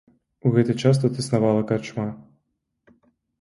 У гэты час тут існавала карчма.